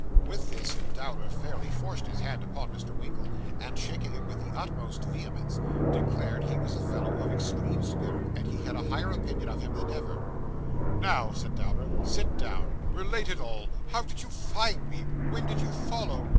With this, Dowler fairly forced his hand upon Mr. Winkle, and shaking it with the utmost vehemence, declared he was a fellow of extreme spirit, and he had a higher opinion of him than ever. 'Now,' said Dowler, 'sit down. Relate it all. How did you find me? When did you follow?